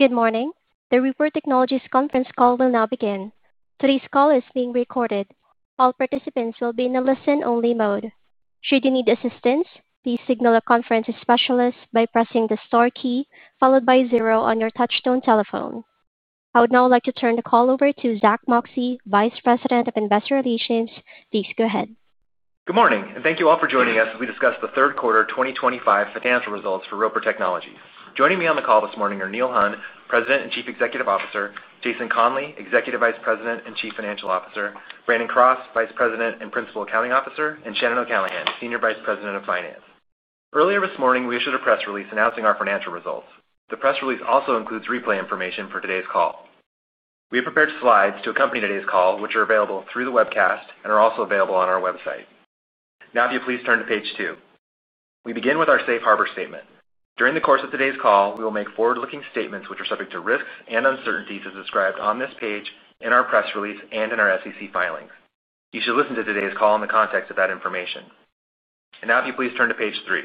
Good morning. The Roper Technologies conference call will now begin. Today's call is being recorded. All participants will be in a listen-only mode. Should you need assistance, please signal a conference specialist by pressing the star key followed by zero on your touch-tone telephone. I would now like to turn the call over to Zach Moxcey, Vice President of Investor Relations. Please go ahead. Good morning, and thank you all for joining us as we discuss the third quarter 2025 financial results for Roper Technologies. Joining me on the call this morning are Neil Hunn, President and Chief Executive Officer; Jason Conley, Executive Vice President and Chief Financial Officer; Brandon Cross, Vice President and Principal Accounting Officer; and Shannon O'Callaghan, Senior Vice President of Finance. Earlier this morning, we issued a press release announcing our financial results. The press release also includes replay information for today's call. We have prepared slides to accompany today's call, which are available through the webcast and are also available on our website. Now, if you please turn to page two, we begin with our safe harbor statement. During the course of today's call, we will make forward-looking statements which are subject to risks and uncertainties as described on this page in our press release and in our SEC filings. You should listen to today's call in the context of that information. Now, if you please turn to page three.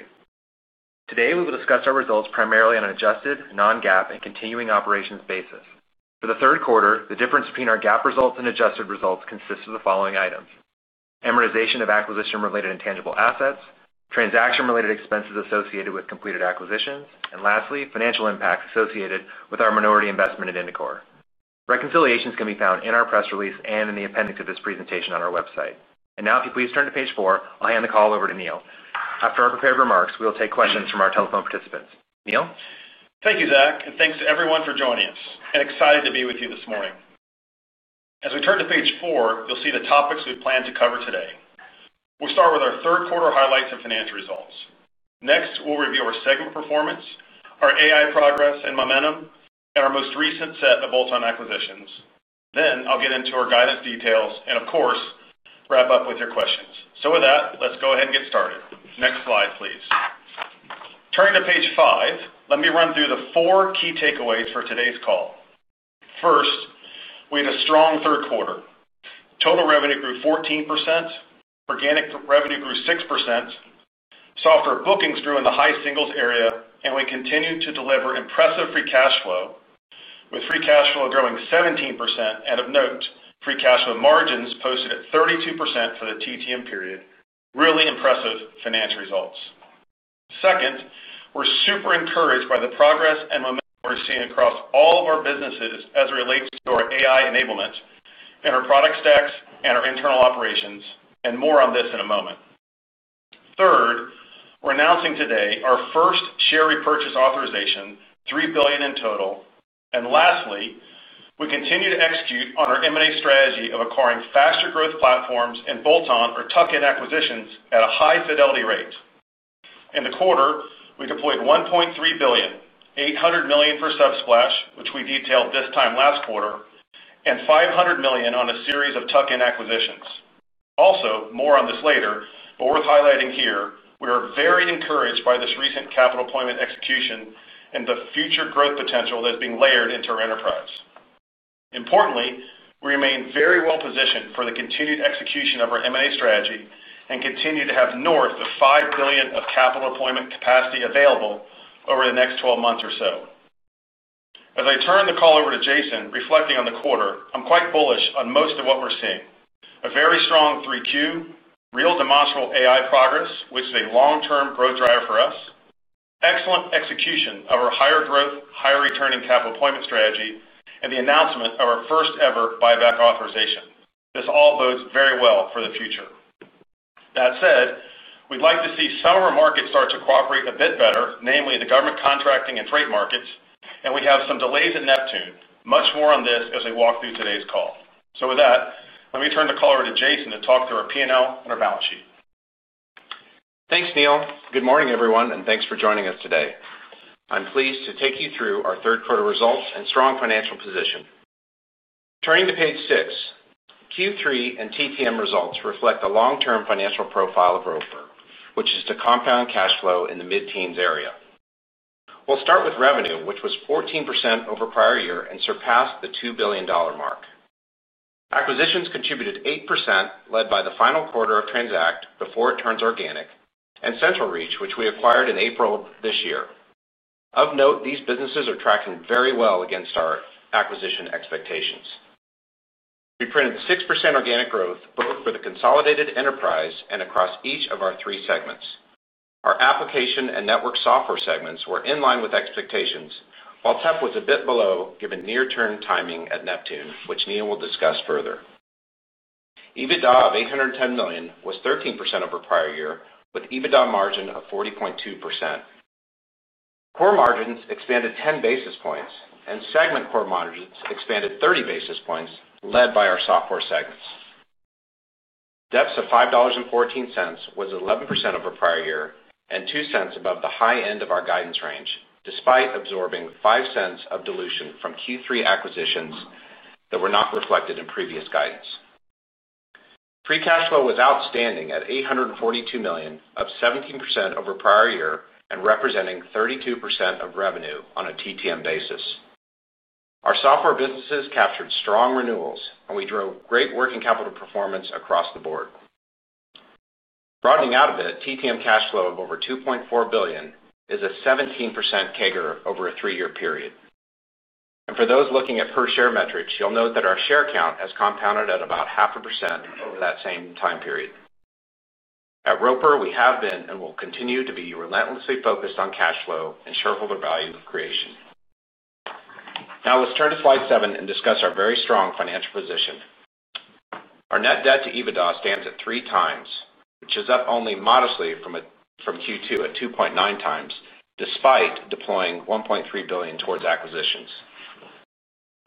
Today, we will discuss our results primarily on an adjusted, non-GAAP, and continuing operations basis. For the third quarter, the difference between our GAAP results and adjusted results consists of the following items, amortization of acquisition-related intangible assets, transaction-related expenses associated with completed acquisitions, and lastly, financial impacts associated with our minority investment in Indicor. Reconciliations can be found in our press release and in the appendix of this presentation on our website. Now, if you please turn to page four, I'll hand the call over to Neil. After our prepared remarks, we will take questions from our telephone participants. Neil? Thank you, Zach, and thanks to everyone for joining us. I'm excited to be with you this morning. As we turn to page four, you'll see the topics we plan to cover today. We'll start with our third quarter highlights and financial results. Next, we'll review our segment performance, our AI progress and momentum, and our most recent set of bolt-on acquisitions. I'll get into our guidance details and, of course, wrap up with your questions. With that, let's go ahead and get started. Next slide, please. Turning to page five, let me run through the four key takeaways for today's call. First, we had a strong third quarter. Total revenue grew 14%, organic revenue grew 6%, software bookings grew in the high singles area. We continued to deliver impressive free cash flow, with free cash flow growing 17%. Of note, free cash flow margins posted at 32% for the TTM period. Really impressive financial results. Second, we're super encouraged by the progress and momentum we're seeing across all of our businesses as it relates to our AI enablement and our product stacks and our internal operations, and more on this in a moment. Third, we're announcing today our first share repurchase authorization, $3 billion in total. Lastly, we continue to execute on our M&A strategy of acquiring faster growth platforms and bolt-on or tuck-in acquisitions at a high fidelity rate. In the quarter, we deployed $1.3 billion, $800 million for Subsplash, which we detailed this time last quarter, and $500 million on a series of tuck-in acquisitions. Also, more on this later, but worth highlighting here, we are very encouraged by this recent capital deployment execution and the future growth potential that's being layered into our enterprise. Importantly, we remain very well positioned for the continued execution of our M&A strategy and continue to have north of $5 billion of capital deployment capacity available over the next 12 months or so. As I turn the call over to Jason, reflecting on the quarter, I'm quite bullish on most of what we're seeing. A very strong 3Q, real demonstrable AI progress, which is a long-term growth driver for us, excellent execution of our higher growth, higher returning capital deployment strategy, and the announcement of our first ever buyback authorization. This all bodes very well for the future. That said, we'd like to see some of our markets start to cooperate a bit better, namely the government contracting and trade markets, and we have some delays at Neptune. Much more on this as we walk through today's call. With that, let me turn the call over to Jason to talk through our P&L and our balance sheet. Thanks, Neil. Good morning, everyone, and thanks for joining us today. I'm pleased to take you through our third quarter results and strong financial position. Turning to page six, Q3 and TTM results reflect the long-term financial profile of Roper, which is to compound cash flow in the mid-teens area. We'll start with revenue, which was 14% over prior year and surpassed the $2 billion mark. Acquisitions contributed 8%, led by the final quarter of Transact before it turns organic, and CentralReach, which we acquired in April of this year. Of note, these businesses are tracking very well against our acquisition expectations. We printed 6% organic growth, both for the consolidated enterprise and across each of our three segments. Our application and network software segments were in line with expectations, while TEP was a bit below given near-term timing at Neptune, which Neil will discuss further. EBITDA of $810 million was 13% over prior year, with EBITDA margin of 40.2%. Core margins expanded 10 basis points, and segment core margins expanded 30 basis points, led by our software segments. DEPS of $5.14 was 11% over prior year and $0.02 above the high end of our guidance range, despite absorbing $0.05 of dilution from Q3 acquisitions that were not reflected in previous guidance. Free cash flow was outstanding at $842 million, up 17% over prior year and representing 32% of revenue on a TTM basis. Our software businesses captured strong renewals, and we drove great working capital performance across the board. Broadening out a bit, TTM cash flow of over $2.4 billion is a 17% CAGR over a three-year period. For those looking at per share metrics, you'll note that our share count has compounded at about 0.5% over that same time period. At Roper, we have been and will continue to be relentlessly focused on cash flow and shareholder value creation. Now, let's turn to slide seven and discuss our very strong financial position. Our net debt to EBITDA stands at three times, which is up only modestly from Q2 at 2.9 times, despite deploying $1.3 billion towards acquisitions.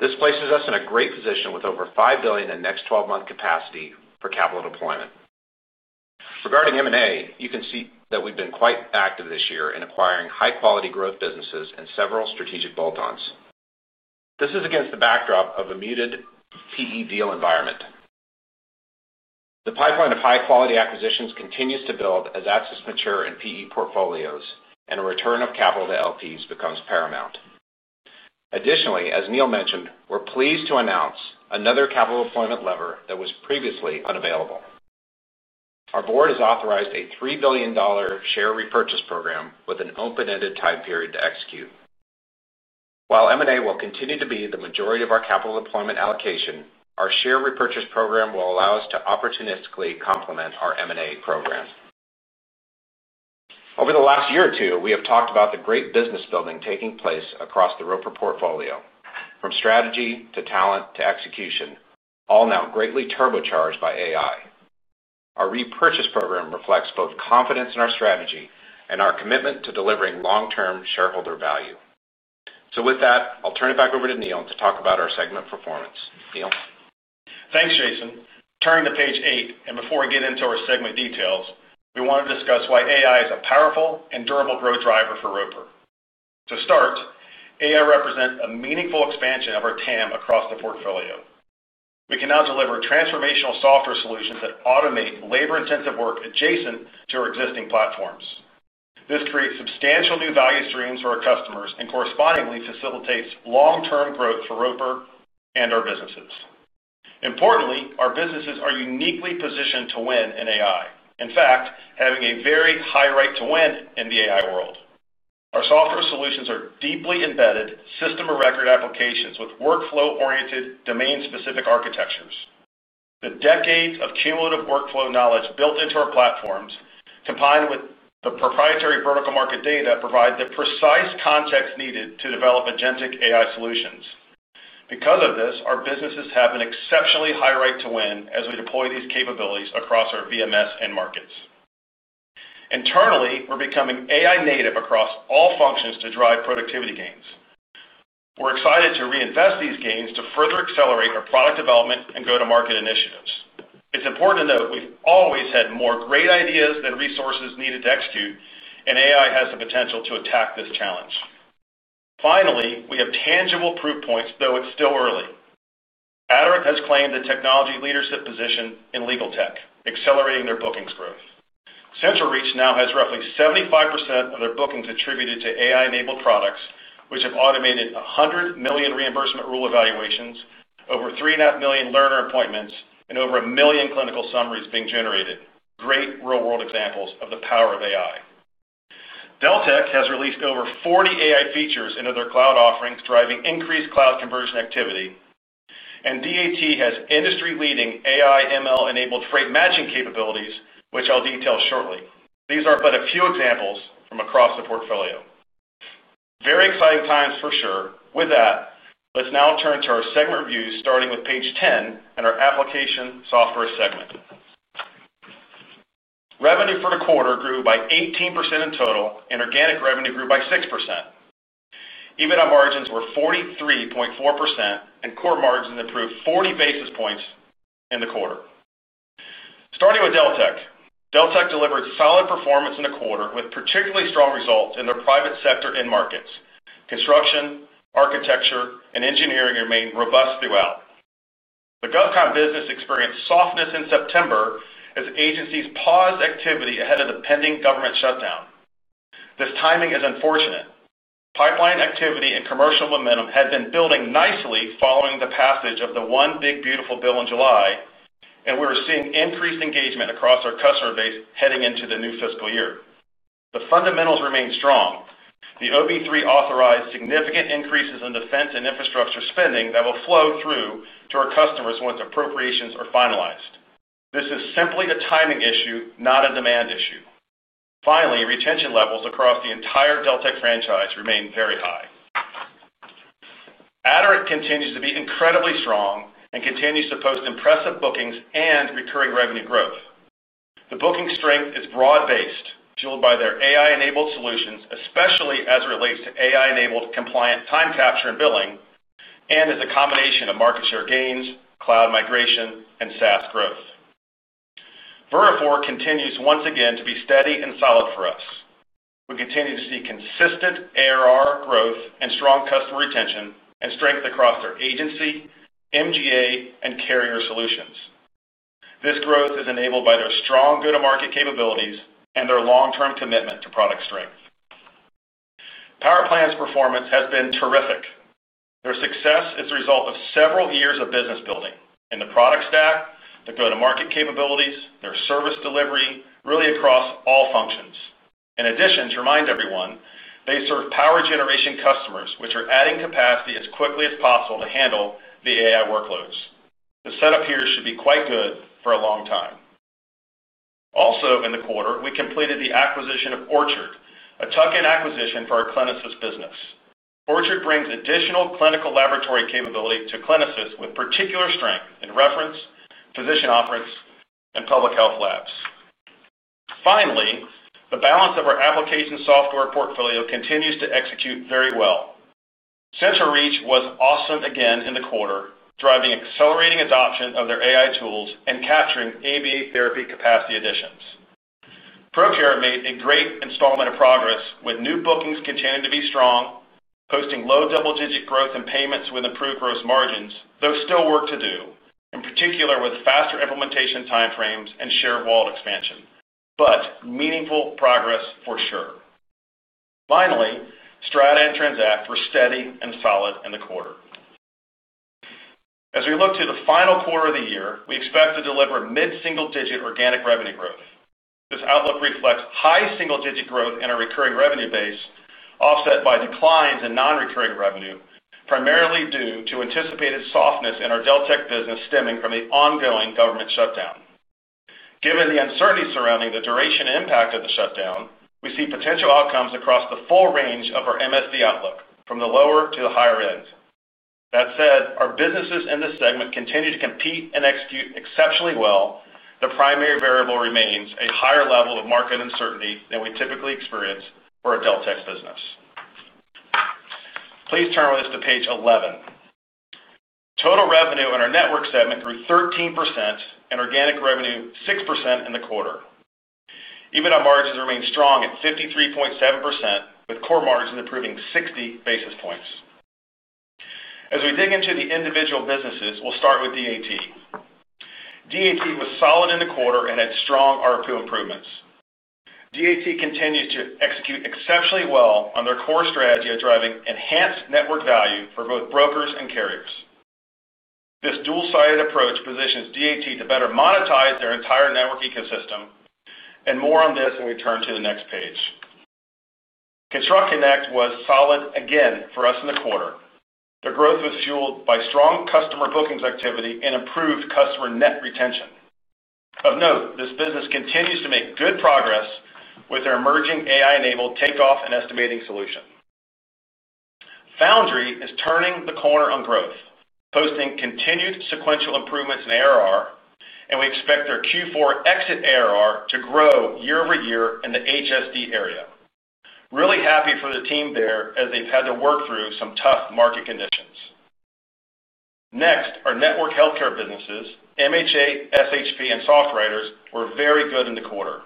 This places us in a great position with over $5 billion in next 12-month capacity for capital deployment. Regarding M&A: you can see that we've been quite active this year in acquiring high-quality growth businesses and several strategic bolt-ons. This is against the backdrop of a muted PE deal environment. The pipeline of high-quality acquisitions continues to build as assets mature in PE portfolios, and a return of capital to LPs becomes paramount. Additionally, as Neil mentioned, we're pleased to announce another capital appointment lever that was previously unavailable. Our board has authorized a $3 billion share repurchase program with an open-ended time period to execute. While M&A will continue to be the majority of our capital deployment allocation, our share repurchase program will allow us to opportunistically complement our M&A program. Over the last year or two, we have talked about the great business building taking place across the Roper portfolio, from strategy to talent to execution, all now greatly turbocharged by AI. Our repurchase program reflects both confidence in our strategy and our commitment to delivering long-term shareholder value. I'll turn it back over to Neil to talk about our segment performance. Neil. Thanks, Jason. Turning to page eight, and before we get into our segment details, we want to discuss why AI is a powerful and durable growth driver for Roper. To start, AI represents a meaningful expansion of our TAM across the portfolio. We can now deliver transformational software solutions that automate labor-intensive work adjacent to our existing platforms. This creates substantial new value streams for our customers and correspondingly facilitates long-term growth for Roper and our businesses. Importantly, our businesses are uniquely positioned to win in AI, in fact, having a very high right to win in the AI world. Our software solutions are deeply embedded system-of-record applications with workflow-oriented domain-specific architectures. The decades of cumulative workflow knowledge built into our platforms, combined with the proprietary vertical market data, provide the precise context needed to develop agentic AI solutions. Because of this, our businesses have an exceptionally high right to win as we deploy these capabilities across our VMS and markets. Internally, we're becoming AI-native across all functions to drive productivity gains. We're excited to reinvest these gains to further accelerate our product development and go-to-market initiatives. It's important to note we've always had more great ideas than resources needed to execute, and AI has the potential to attack this challenge. Finally, we have tangible proof points, though it's still early. Aderant has claimed a technology leadership position in legal tech, accelerating their bookings growth. CentralReach now has roughly 75% of their bookings attributed to AI-enabled products, which have automated $100 million reimbursement rule evaluations, over 3.5 million learner appointments, and over 1 million clinical summaries being generated. Great real-world examples of the power of AI. Deltek has released over 40 AI features into their cloud offerings, driving increased cloud conversion activity. DAT has industry-leading AI/ML-enabled freight matching capabilities, which I'll detail shortly. These are but a few examples from across the portfolio. Very exciting times for sure. With that, let's now turn to our segment reviews, starting with page 10 and our application software segment. Revenue for the quarter grew by 18% in total, and organic revenue grew by 6%. EBITDA margins were 43.4%, and core margins improved 40 basis points in the quarter. Starting with Deltek, Deltek delivered solid performance in the quarter, with particularly strong results in their private sector end markets. Construction, architecture, and engineering remain robust throughout. The GovCon business experienced softness in September as agencies paused activity ahead of the pending government shutdown. This timing is unfortunate. Pipeline activity and commercial momentum had been building nicely following the passage of the One Big Beautiful Bill in July, and we were seeing increased engagement across our customer base heading into the new fiscal year. The fundamentals remain strong. The OB3 authorized significant increases in defense and infrastructure spending that will flow through to our customers once appropriations are finalized. This is simply a timing issue, not a demand issue. Finally, retention levels across the entire Deltek franchise remain very high. Aderant continues to be incredibly strong and continues to post impressive bookings and recurring revenue growth. The booking strength is broad-based, fueled by their AI-enabled solutions, especially as it relates to AI-enabled compliant time capture and billing, and as a combination of market share gains, cloud migration, and SaaS growth. Vertafore continues once again to be steady and solid for us. We continue to see consistent ARR growth and strong customer retention and strength across their agency, MGA, and carrier solutions. This growth is enabled by their strong go-to-market capabilities and their long-term commitment to product strength. PowerPlan's performance has been terrific. Their success is the result of several years of business building in the product stack, the go-to-market capabilities, their service delivery, really across all functions. In addition, to remind everyone, they serve power generation customers, which are adding capacity as quickly as possible to handle the AI workloads. The setup here should be quite good for a long time. Also, in the quarter, we completed the acquisition of Orchard, a tuck-in acquisition for our Clinisys business. Orchard brings additional clinical laboratory capability to Clinisys, with particular strength in reference, physician offerings, and public health labs. Finally, the balance of our application software portfolio continues to execute very well. CentralReach was awesome again in the quarter, driving accelerating adoption of their AI tools and capturing ABA therapy capacity additions. Procare made a great installment of progress, with new bookings continuing to be strong, posting low double-digit growth in payments with improved gross margins, though still work to do, in particular with faster implementation timeframes and share wallet expansion. Meaningful progress for sure. Finally, Strata and Transact were steady and solid in the quarter. As we look to the final quarter of the year, we expect to deliver mid-single-digit organic revenue growth. This outlook reflects high single-digit growth in our recurring revenue base, offset by declines in non-recurring revenue, primarily due to anticipated softness in our Deltek business stemming from the ongoing government shutdown. Given the uncertainty surrounding the duration and impact of the shutdown, we see potential outcomes across the full range of our MSD outlook, from the lower to the higher end. Our businesses in this segment continue to compete and execute exceptionally well. The primary variable remains a higher level of market uncertainty than we typically experience for a Deltek business. Please turn with us to page 11. Total revenue in our network segment grew 13% and organic revenue 6% in the quarter. EBITDA margins remain strong at 53.7%, with core margins improving 60 basis points. As we dig into the individual businesses, we'll start with DAT. DAT was solid in the quarter and had strong RFP improvements. DAT continues to execute exceptionally well on their core strategy of driving enhanced network value for both brokers and carriers. This dual-sided approach positions DAT to better monetize their entire network ecosystem, and more on this when we turn to the next page. ConstructConnect was solid again for us in the quarter. Their growth was fueled by strong customer bookings activity and improved customer net retention. Of note, this business continues to make good progress with their emerging AI-enabled takeoff and estimating solution. Foundry is turning the corner on growth, posting continued sequential improvements in ARR, and we expect their Q4 exit ARR to grow year over year in the HSD area. Really happy for the team there as they've had to work through some tough market conditions. Next, our network healthcare businesses, MHA, SHP, and SoftWriters were very good in the quarter.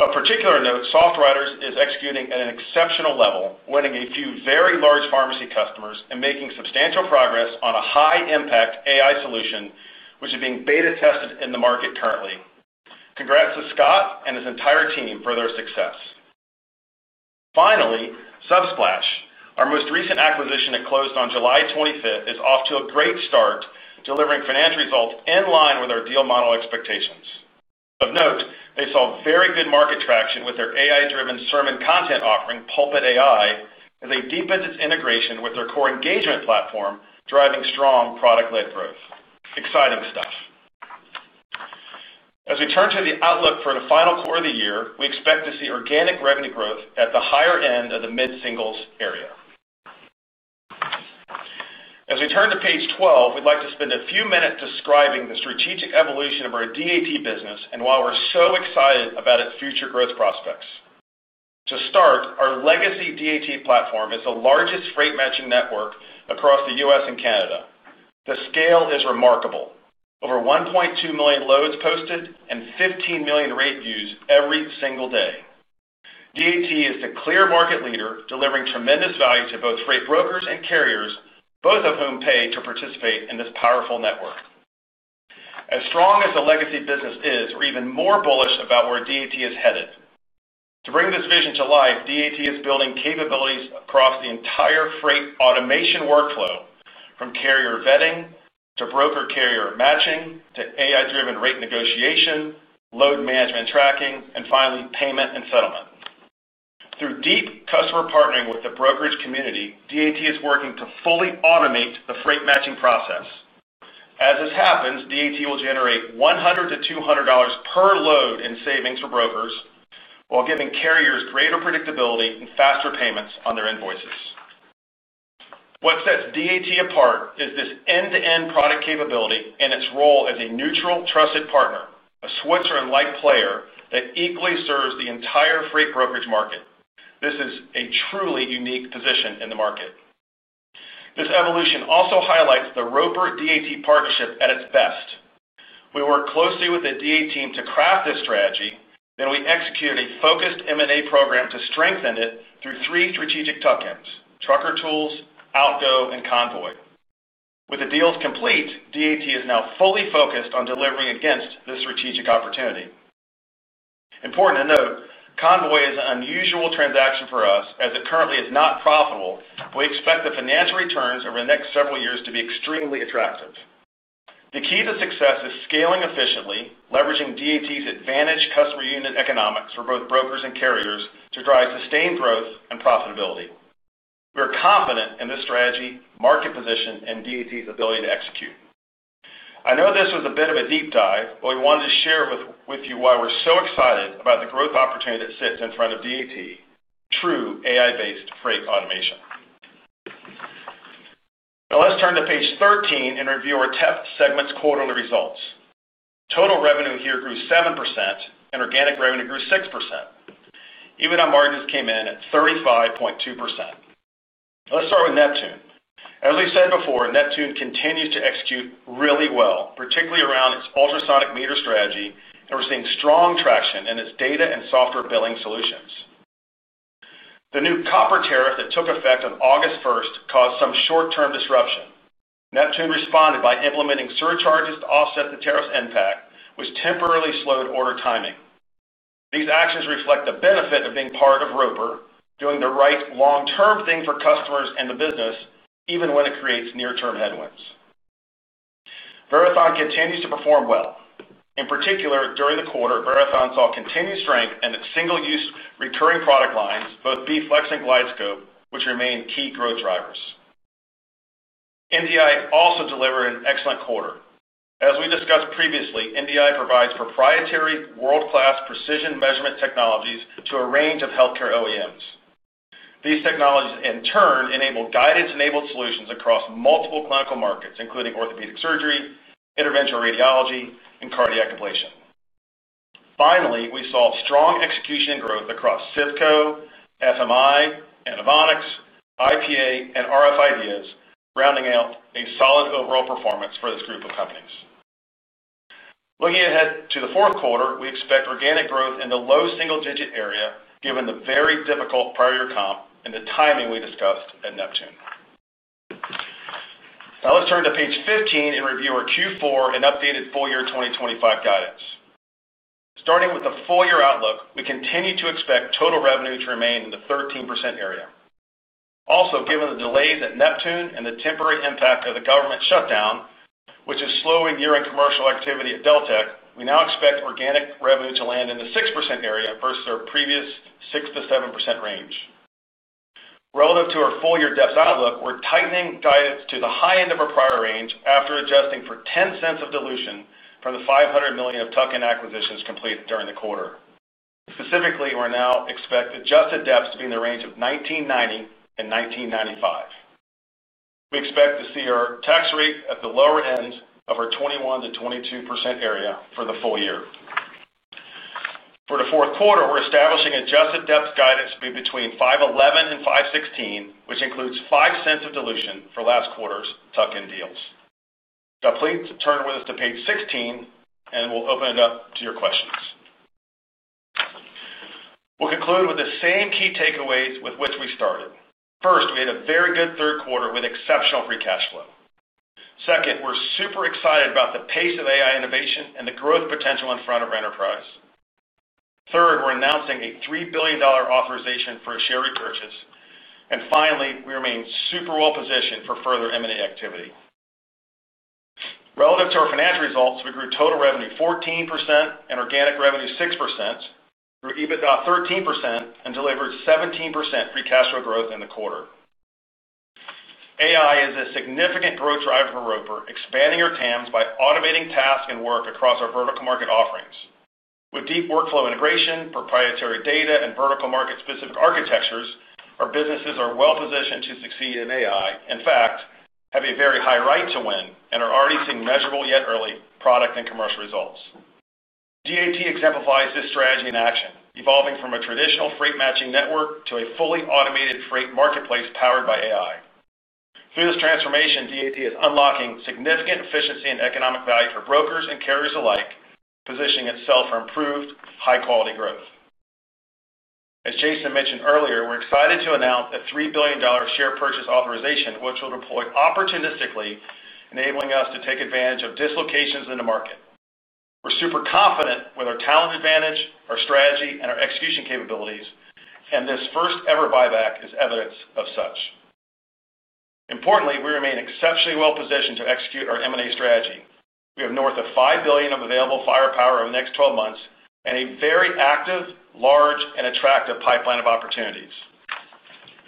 Of particular note, SoftWriters is executing at an exceptional level, winning a few very large pharmacy customers and making substantial progress on a high-impact AI solution, which is being beta tested in the market currently. Congrats to Scott and his entire team for their success. Finally, Subsplash, our most recent acquisition that closed on July 25, is off to a great start, delivering financial results in line with our deal model expectations. Of note, they saw very good market traction with their AI-driven sermon content offering, Pulpit AI, as they deepened its integration with their core engagement platform, driving strong product-led growth. Exciting stuff. As we turn to the outlook for the final quarter of the year, we expect to see organic revenue growth at the higher end of the mid-singles area. As we turn to page 12, we'd like to spend a few minutes describing the strategic evolution of our DAT business and why we're so excited about its future growth prospects. To start, our legacy DAT platform is the largest freight matching network across the U.S. and Canada. The scale is remarkable. Over 1.2 million loads posted and 15 million rate views every single day. DAT is the clear market leader, delivering tremendous value to both freight brokers and carriers, both of whom pay to participate in this powerful network. As strong as the legacy business is, we're even more bullish about where DAT is headed. To bring this vision to life, DAT is building capabilities across the entire freight automation workflow, from carrier vetting to broker-carrier matching to AI-driven rate negotiation, load management tracking, and finally payment and settlement. Through deep customer partnering with the brokerage community, DAT is working to fully automate the freight matching process. As this happens, DAT will generate $100 to $200 per load in savings for brokers, while giving carriers greater predictability and faster payments on their invoices. What sets DAT apart is this end-to-end product capability and its role as a neutral, trusted partner, a Switzerland-like player that equally serves the entire freight brokerage market. This is a truly unique position in the market. This evolution also highlights the Roper-DAT partnership at its best. We work closely with the DAT team to craft this strategy, then we execute a focused M&A program to strengthen it through three strategic tuck-ins, Trucker Tools, Outgo, and Convoy. With the deals complete, DAT is now fully focused on delivering against this strategic opportunity. Important to note, Convoy is an unusual transaction for us as it currently is not profitable, but we expect the financial returns over the next several years to be extremely attractive. The key to success is scaling efficiently, leveraging DAT's advantaged customer unit economics for both brokers and carriers to drive sustained growth and profitability. We are confident in this strategy, market position, and DAT's ability to execute. I know this was a bit of a deep dive, but we wanted to share with you why we're so excited about the growth opportunity that sits in front of DAT, true AI-based freight automation. Now let's turn to page 13 and review our TEP segment's quarterly results. Total revenue here grew 7%, and organic revenue grew 6%. EBITDA margins came in at 35.2%. Let's start with Neptune. As we've said before, Neptune continues to execute really well, particularly around its ultrasonic meter strategy, and we're seeing strong traction in its data and software billing solutions. The new copper tariff that took effect on August 1st caused some short-term disruption. Neptune responded by implementing surcharges to offset the tariff's impact, which temporarily slowed order timing. These actions reflect the benefit of being part of Roper, doing the right long-term thing for customers and the business, even when it creates near-term headwinds. Verathon continues to perform well. In particular, during the quarter, Verathon saw continued strength in its single-use recurring product lines, both B-Flex and GlideScope, which remain key growth drivers. NDI also delivered an excellent quarter. As we discussed previously, NDI provides proprietary, world-class precision measurement technologies to a range of healthcare OEMs. These technologies in turn enable guidance-enabled solutions across multiple clinical markets, including orthopedic surgery, interventional radiology, and cardiac ablation. Finally, we saw strong execution and growth across CIVCO, FMI, Inovonics, IPA, and rf IDEAS, rounding out a solid overall performance for this group of companies. Looking ahead to the fourth quarter, we expect organic growth in the low single-digit area, given the very difficult prior year comp and the timing we discussed at Neptune. Now let's turn to page 15 and review our Q4 and updated full-year 2025 guidance. Starting with the full-year outlook, we continue to expect total revenue to remain in the 13% area. Also, given the delays at Neptune and the temporary impact of the government shutdown, which is slowing year-end commercial activity at Deltek, we now expect organic revenue to land in the 6% area versus our previous 6%-7% range. Relative to our full-year DEPS outlook, we're tightening guidance to the high end of our prior range after adjusting for $0.10 of dilution from the $500 million of tuck-in acquisitions completed during the quarter. Specifically, we're now expecting adjusted DEPS to be in the range of $1,990 and $1,995. We expect to see our tax rate at the lower end of our 21% to 22% area for the full year. For the fourth quarter, we're establishing adjusted DEPS guidance to be between $511 and $516, which includes $0.05 of dilution for last quarter's tuck-in deals. Now please turn with us to page 16, and we'll open it up to your questions. We'll conclude with the same key takeaways with which we started. First, we had a very good third quarter with exceptional free cash flow. Second, we're super excited about the pace of AI innovation and the growth potential in front of our enterprise. Third, we're announcing a $3 billion authorization for a share repurchase. Finally, we remain super well positioned for further M&A activity. Relative to our financial results, we grew total revenue 14% and organic revenue 6%, grew EBITDA 13%, and delivered 17% free cash flow growth in the quarter. AI is a significant growth driver for Roper, expanding our TAMs by automating tasks and work across our vertical market offerings. With deep workflow integration, proprietary data, and vertical market-specific architectures, our businesses are well positioned to succeed in AI, in fact, have a very high right to win and are already seeing measurable yet early product and commercial results. DAT exemplifies this strategy in action, evolving from a traditional freight matching network to a fully automated freight marketplace powered by AI. Through this transformation, DAT is unlocking significant efficiency and economic value for brokers and carriers alike, positioning itself for improved high-quality growth. As Jason mentioned earlier, we're excited to announce a $3 billion share purchase authorization, which we will deploy opportunistically, enabling us to take advantage of dislocations in the market. We're super confident with our talent advantage, our strategy, and our execution capabilities, and this first-ever buyback is evidence of such. Importantly, we remain exceptionally well positioned to execute our M&A strategy. We have north of $5 billion of available firepower over the next 12 months and a very active, large, and attractive pipeline of opportunities.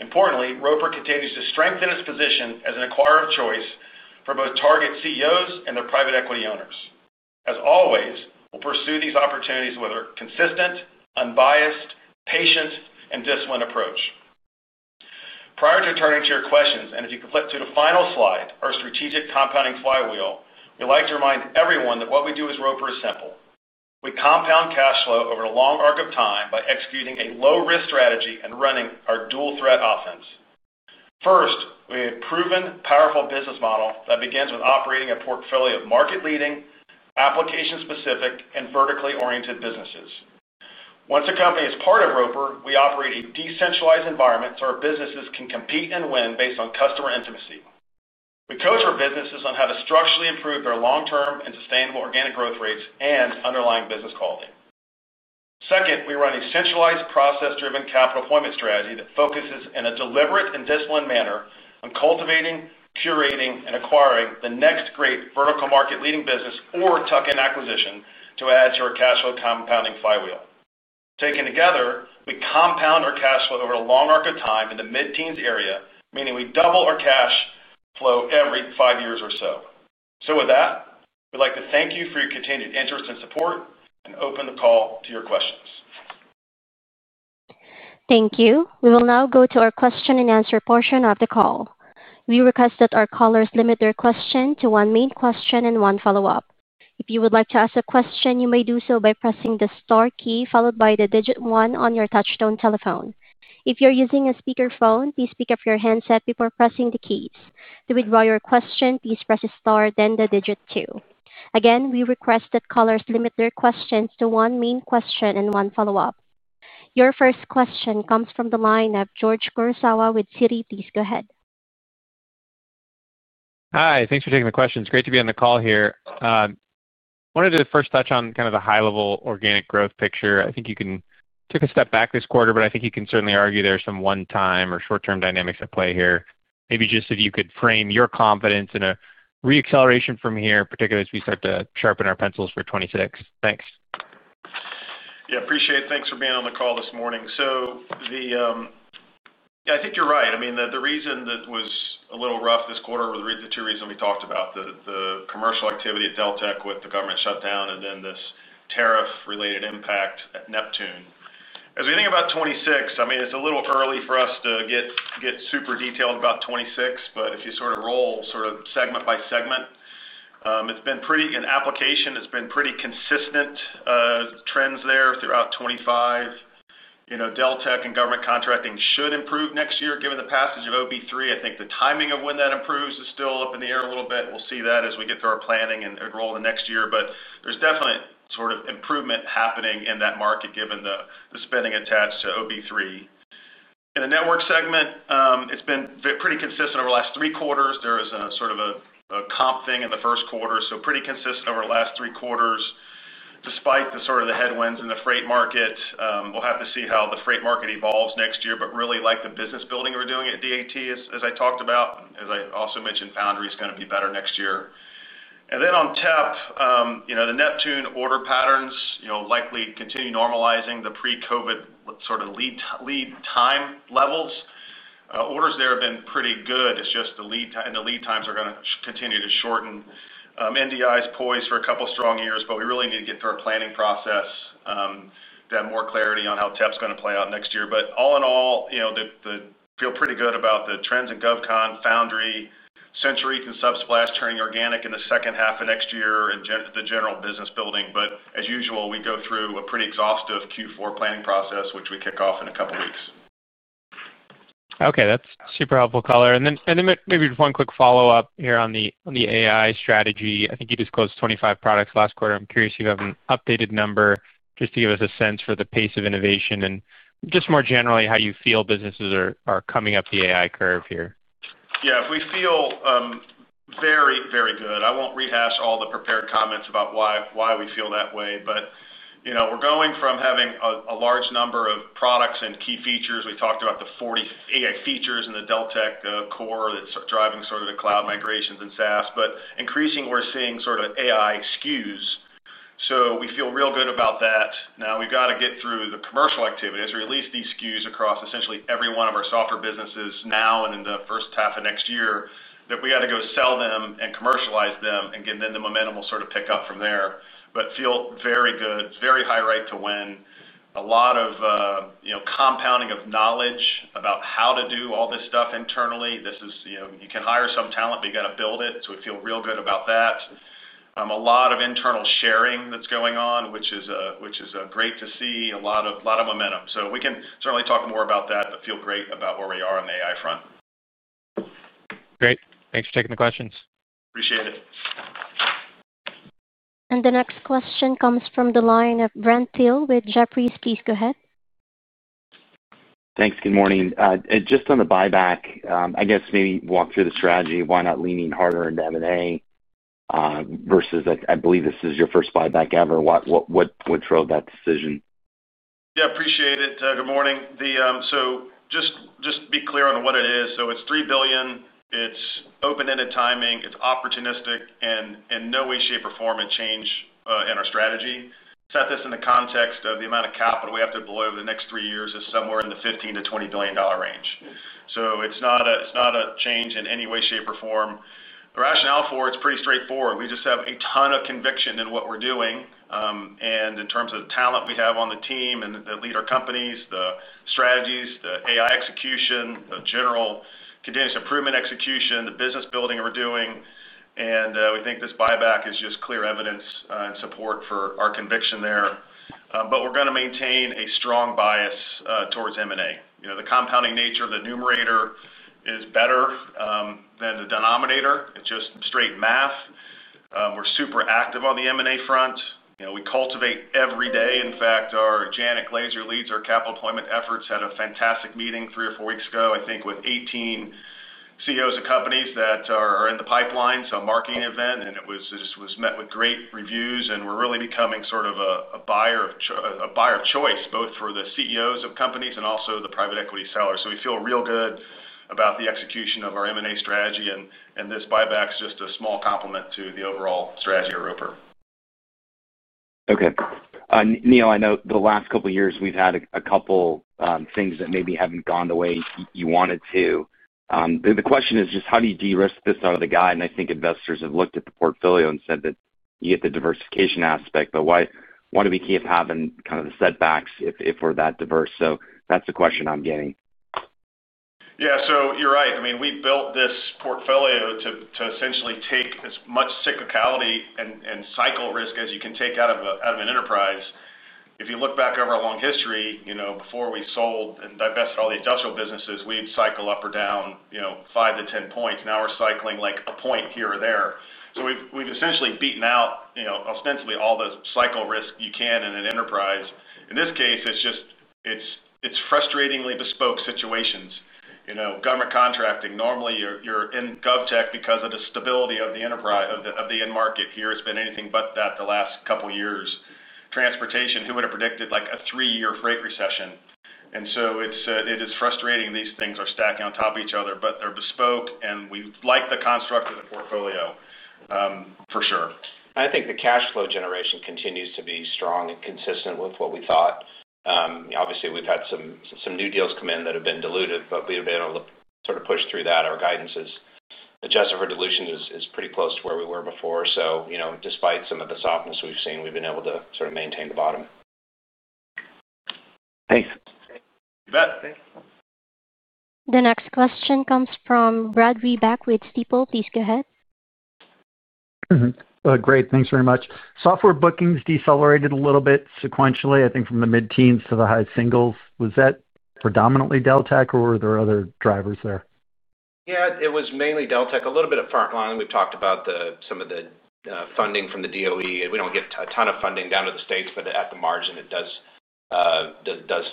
Importantly, Roper continues to strengthen its position as an acquirer of choice for both target CEOs and their private equity owners. As always, we'll pursue these opportunities with our consistent, unbiased, patient, and disciplined approach. Prior to turning to your questions, and if you could flip to the final slide, our strategic compounding flywheel, we'd like to remind everyone that what we do as Roper is simple. We compound cash flow over a long arc of time by executing a low-risk strategy and running our dual-threat offense. First, we have a proven, powerful business model that begins with operating a portfolio of market-leading, application-specific, and vertically oriented businesses. Once a company is part of Roper, we operate a decentralized environment so our businesses can compete and win based on customer intimacy. We coach our businesses on how to structurally improve their long-term and sustainable organic growth rates and underlying business quality. Second, we run a centralized, process-driven capital appointment strategy that focuses in a deliberate and disciplined manner on cultivating, curating, and acquiring the next great vertical market-leading business or tuck-in acquisition to add to our cash flow compounding flywheel. Taken together, we compound our cash flow over a long arc of time in the mid-teens area, meaning we double our cash flow every five years or so. With that, we'd like to thank you for your continued interest and support and open the call to your questions. Thank you. We will now go to our question and answer portion of the call. We request that our callers limit their question to one main question and one follow-up. If you would like to ask a question, you may do so by pressing the star key followed by the digit one on your touch-tone telephone. If you're using a speakerphone, please pick up your handset before pressing the keys. To withdraw your question, please press star, then the digit two. Again, we request that callers limit their questions to one main question and one follow-up. Your first question comes from the line of George Kurosawa with Citi. Please go ahead. Hi. Thanks for taking the questions. Great to be on the call here. I wanted to first touch on kind of the high-level organic growth picture. I think you can take a step back this quarter, but I think you can certainly argue there's some one-time or short-term dynamics at play here. Maybe just if you could frame your confidence in a re-acceleration from here, particularly as we start to sharpen our pencils for 2026. Thanks. Yeah, appreciate it. Thanks for being on the call this morning. I think you're right. The reason that was a little rough this quarter were the two reasons we talked about: the commercial activity at Deltek with the government shutdown and then this tariff-related impact at Neptune. As we think about 2026, it's a little early for us to get super detailed about 2026, but if you sort of roll, sort of segment by segment, it's been pretty, in application, it's been pretty consistent trends there throughout 2025. You know, Deltek and government contracting should improve next year. Given the passage of OB3, I think the timing of when that improves is still up in the air a little bit. We'll see that as we get through our planning and roll in the next year. There's definite improvement happening in that market given the spending attached to OB3. In the network segment, it's been pretty consistent over the last three quarters. There was a comp thing in the first quarter, so pretty consistent over the last three quarters, despite the headwinds in the freight market. We'll have to see how the freight market evolves next year, but really like the business building we're doing at DAT, as I talked about. As I also mentioned, Foundry is going to be better next year. On TEP, the Neptune order patterns likely continue normalizing to the pre-COVID lead time levels. Orders there have been pretty good. It's just the lead time, and the lead times are going to continue to shorten. NDI is poised for a couple of strong years, but we really need to get through our planning process to have more clarity on how TEP's going to play out next year. All in all, I feel pretty good about the trends in GovCon, Foundry, CentralReach, and Subsplash turning organic in the second half of next year and the general business building. As usual, we go through a pretty exhaustive Q4 planning process, which we kick off in a couple of weeks. Okay, that's super helpful color. Maybe one quick follow-up here on the AI strategy. I think you disclosed 25 products last quarter. I'm curious if you have an updated number just to give us a sense for the pace of innovation and just more generally how you feel businesses are coming up the AI curve here. Yeah, we feel very, very good. I won't rehash all the prepared comments about why we feel that way. We're going from having a large number of products and key features. We talked about the 40 AI features in the Deltek core that's driving the cloud migrations and SaaS. Increasingly, we're seeing AI SKUs. We feel real good about that. Now we've got to get through the commercial activities, or at least these SKUs, across essentially every one of our software businesses now and in the first half of next year. We've got to go sell them and commercialize them, and the momentum will pick up from there. We feel very good, very high right to win. A lot of compounding of knowledge about how to do all this stuff internally. You can hire some talent, but you got to build it. We feel real good about that. A lot of internal sharing that's going on, which is great to see. A lot of momentum. We can certainly talk more about that, but feel great about where we are on the AI front. Great. Thanks for taking the questions. Appreciate it. The next question comes from the line of Brent Thill with Jefferies. Please go ahead. Thanks. Good morning. Just on the buyback, I guess maybe walk through the strategy. Why not leaning harder into M&A versus, I believe this is your first buyback ever. What drove that decision? Yeah, I appreciate it. Good morning. Just to be clear on what it is, it's $3 billion. It's open-ended timing. It's opportunistic in no way, shape, or form to change our strategy. Set this in the context of the amount of capital we have to deploy over the next three years is somewhere in the $15 billion to $20 billion range. It's not a change in any way, shape, or form. The rationale for it is pretty straightforward. We just have a ton of conviction in what we're doing, and in terms of the talent we have on the team and that lead our companies, the strategies, the AI execution, the general continuous improvement execution, the business building we're doing, and we think this buyback is just clear evidence and support for our conviction there. We're going to maintain a strong bias towards M&A. The compounding nature of the numerator is better than the denominator. It's just straight math. We're super active on the M&A front. We cultivate every day. In fact, our Janet Glazer, who leads our capital deployment efforts, had a fantastic meeting three or four weeks ago, I think, with 18 CEOs of companies that are in the pipeline, so a marketing event. This was met with great reviews, and we're really becoming sort of a buyer of choice, both for the CEOs of companies and also the private equity sellers. We feel real good about the execution of our M&A strategy, and this buyback is just a small complement to the overall strategy at Roper. Okay. Neil, I know the last couple of years we've had a couple things that maybe haven't gone the way you wanted to. The question is just how do you de-risk this out of the guide? I think investors have looked at the portfolio and said that you get the diversification aspect, but why do we keep having kind of the setbacks if we're that diverse? That's the question I'm getting. Yeah, so you're right. I mean, we built this portfolio to essentially take as much cyclicality and cycle risk as you can take out of an enterprise. If you look back over our long history, before we sold and divested all the industrial businesses, we'd cycle up or down 5 to 10 points. Now we're cycling like a point here or there. We've essentially beaten out, ostensibly, all the cycle risk you can in an enterprise. In this case, it's just frustratingly bespoke situations. Government contracting, normally you're in GovTech because of the stability of the enterprise, of the end market. Here it's been anything but that the last couple of years. Transportation, who would have predicted like a three-year freight recession? It is frustrating these things are stacking on top of each other, but they're bespoke, and we like the construct of the portfolio, for sure. I think the cash flow generation continues to be strong and consistent with what we thought. Obviously, we've had some new deals come in that have been diluted, but we've been able to sort of push through that. Our guidance is adjusted for dilution is pretty close to where we were before. You know, despite some of the softness we've seen, we've been able to sort of maintain the bottom. Thanks. You bet. The next question comes from Brad Reback with Stifel. Please go ahead. Great. Thanks very much. Software bookings decelerated a little bit sequentially, I think from the mid-teens to the high singles. Was that predominantly Deltek, or were there other drivers there? Yeah, it was mainly Deltek, a little bit of Frontline. We've talked about some of the funding from the DOE. We don't get a ton of funding down to the states, but at the margin, it does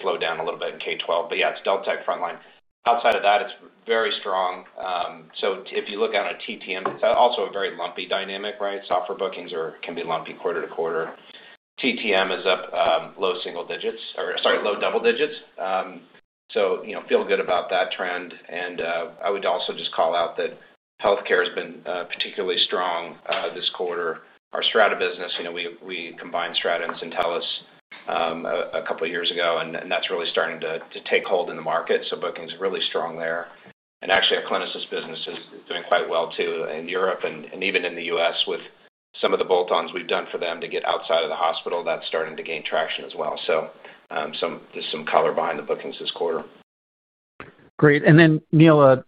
slow down a little bit in K-12. Yeah, it's Deltek, Frontline. Outside of that, it's very strong. If you look on a TTM, it's also a very lumpy dynamic, right? Software bookings can be lumpy quarter to quarter. TTM is up, low double digits, so, you know, feel good about that trend. I would also just call out that healthcare has been particularly strong this quarter. Our Strata business, you know, we combined Strata and Syntellis a couple of years ago, and that's really starting to take hold in the market. Bookings are really strong there. Actually, our Clinisys business is doing quite well too in Europe and even in the U.S. with some of the bolt-ons we've done for them to get outside of the hospital. That's starting to gain traction as well. Just some color behind the bookings this quarter. Great. Neil,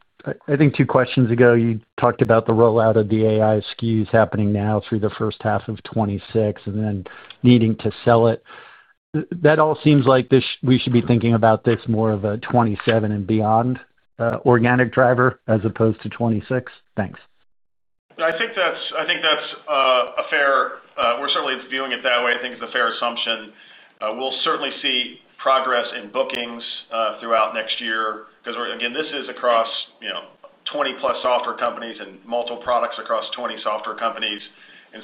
I think two questions ago, you talked about the rollout of the AI SKUs happening now through the first half of 2026 and then needing to sell it. That all seems like we should be thinking about this more of a 2027 and beyond, organic driver as opposed to 2026. Thanks. I think that's a fair, we're certainly viewing it that way. I think it's a fair assumption. We'll certainly see progress in bookings throughout next year because we're, again, this is across, you know, 20 plus software companies and multiple products across 20 software companies.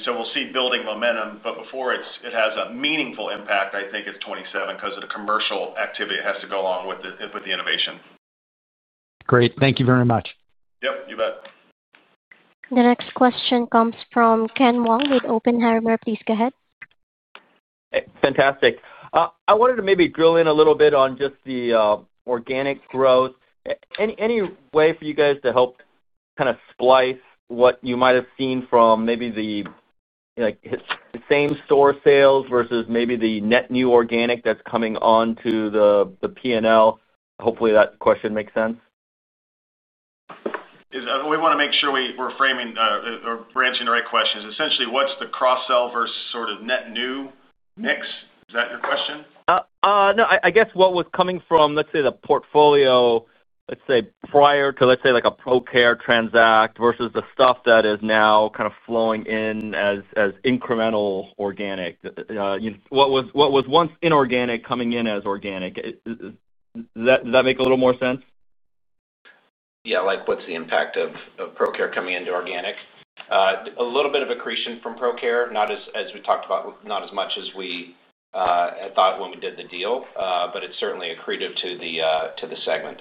We'll see building momentum. Before it has a meaningful impact, I think it's 2027 because of the commercial activity that has to go along with the innovation. Great, thank you very much. Yep, you bet. The next question comes from Ken Wong with Oppenheimer. Please go ahead. Fantastic. I wanted to maybe drill in a little bit on just the organic growth. Any way for you guys to help kind of splice what you might have seen from maybe the, like, same store sales versus maybe the net new organic that's coming onto the P&L? Hopefully, that question makes sense. We want to make sure we're framing or branching the right questions. Essentially, what's the cross-sell versus sort of net new mix? Is that your question? I guess what was coming from, let's say, the portfolio prior to, let's say, like a Procare Transact versus the stuff that is now kind of flowing in as incremental organic. What was once inorganic coming in as organic? Does that make a little more sense? Yeah, what's the impact of Procare coming into organic? A little bit of accretion from Procare, not as we talked about, not as much as we thought when we did the deal, but it's certainly accretive to the segment.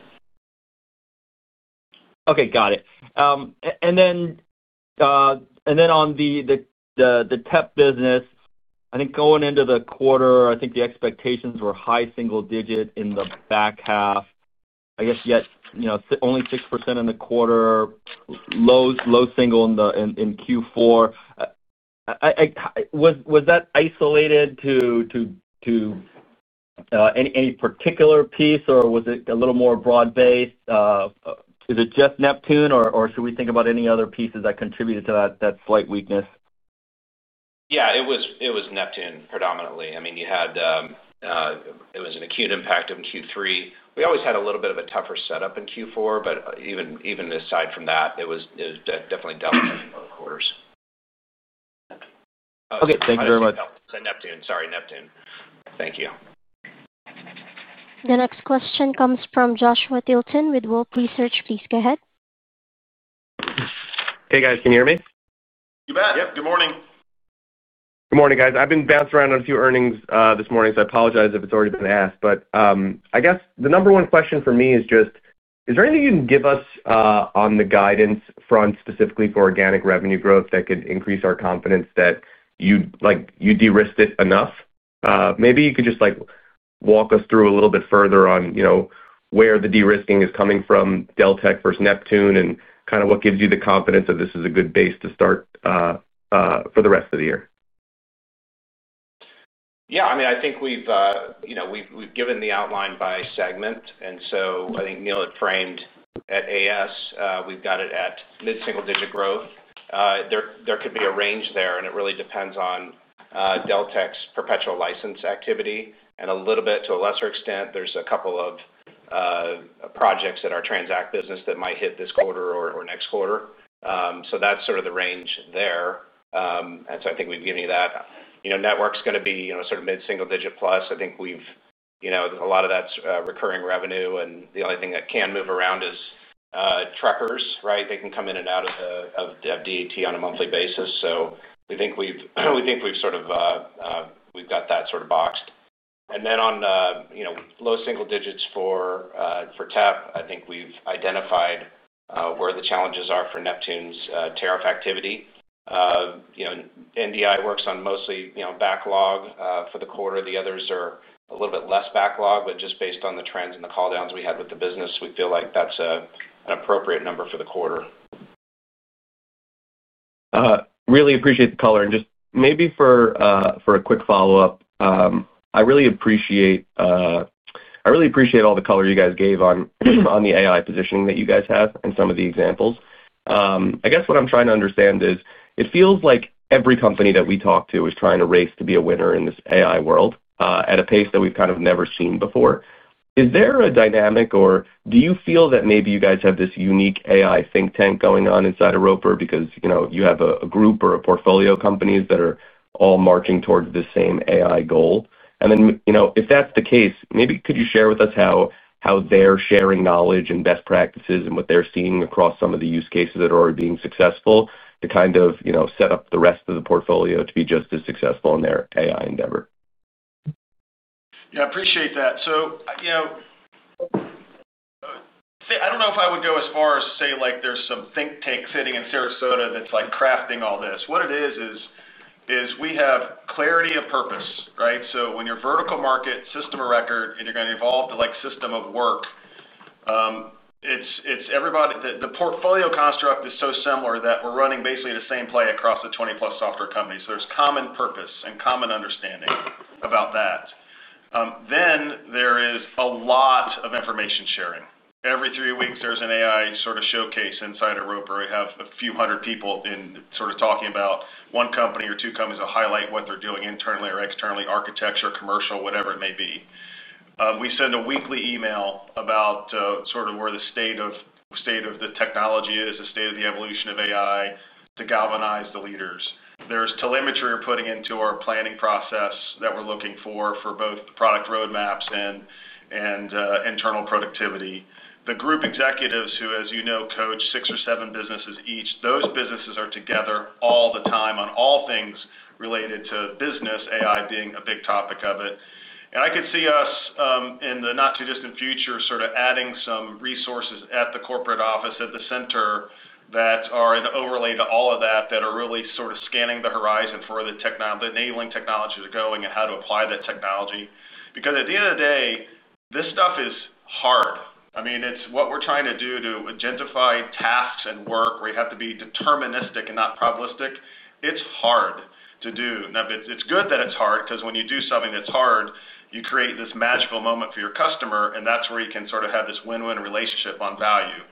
Okay, got it. On the TEP business, I think going into the quarter, the expectations were high single digit in the back half. I guess, you know, only 6% in the quarter, low single in Q4. Was that isolated to any particular piece, or was it a little more broad-based? Is it just Neptune, or should we think about any other pieces that contributed to that slight weakness? Yeah, it was Neptune predominantly. I mean, you had, it was an acute impact in Q3. We always had a little bit of a tougher setup in Q4, but even aside from that, it was definitely Deltek in both quarters. Okay, thank you very much. Neptune. Thank you. The next question comes from Joshua Tilton with Wolfe Research. Please go ahead. Hey guys, can you hear me? You bet. Yep, good morning. Good morning, guys. I've been bouncing around on a few earnings this morning, so I apologize if it's already been asked. I guess the number one question for me is just, is there anything you can give us on the guidance front specifically for organic revenue growth that could increase our confidence that you'd, like, you de-risked it enough? Maybe you could just, like, walk us through a little bit further on, you know, where the de-risking is coming from Deltek versus Neptune and kind of what gives you the confidence that this is a good base to start for the rest of the year. Yeah, I mean, I think we've given the outline by segment. I think Neil had framed it as we've got it at mid-single-digit growth. There could be a range there, and it really depends on Deltek's perpetual license activity. To a lesser extent, there's a couple of projects in our Transact business that might hit this quarter or next quarter. That's sort of the range there. I think we've given you that. Network's going to be sort of mid-single-digit plus. I think a lot of that's recurring revenue, and the only thing that can move around is truckers, right? They can come in and out of DAT on a monthly basis. We think we've got that sort of boxed. Then on low single digits for TEP, I think we've identified where the challenges are for Neptune's tariff activity. NDI works on mostly backlog for the quarter. The others are a little bit less backlog, but just based on the trends and the call-downs we had with the business, we feel like that's an appropriate number for the quarter. Really appreciate the color. Just maybe for a quick follow-up, I really appreciate all the color you guys gave on the AI positioning that you guys have and some of the examples. I guess what I'm trying to understand is it feels like every company that we talk to is trying to race to be a winner in this AI world, at a pace that we've kind of never seen before. Is there a dynamic, or do you feel that maybe you guys have this unique AI think tank going on inside of Roper because you have a group or a portfolio of companies that are all marching towards the same AI goal? If that's the case, maybe could you share with us how they're sharing knowledge and best practices and what they're seeing across some of the use cases that are already being successful to kind of set up the rest of the portfolio to be just as successful in their AI endeavor? Yeah, I appreciate that. I don't know if I would go as far as to say there's some think tank sitting in Sarasota that's crafting all this. What it is, is we have clarity of purpose, right? When you're vertical market system of record, and you're going to evolve to system of work, it's everybody. The portfolio construct is so similar that we're running basically the same play across the 20-plus software companies. There's common purpose and common understanding about that. There is a lot of information sharing. Every three weeks, there's an AI sort of showcase inside of Roper. We have a few hundred people talking about one company or two companies to highlight what they're doing internally or externally, architecture, commercial, whatever it may be. We send a weekly email about where the state of the technology is, the state of the evolution of AI to galvanize the leaders. There's telemetry we're putting into our planning process that we're looking for both product roadmaps and internal productivity. The group executives who, as you know, coach six or seven businesses each, those businesses are together all the time on all things related to business, AI being a big topic of it. I could see us, in the not-too-distant future, adding some resources at the corporate office, at the center that are an overlay to all of that, that are really scanning the horizon for the technology, the enabling technologies that are going and how to apply that technology. At the end of the day, this stuff is hard. I mean, it's what we're trying to do to identify tasks and work where you have to be deterministic and not probabilistic. It's hard to do. It's good that it's hard because when you do something that's hard, you create this magical moment for your customer, and that's where you can have this win-win relationship on value.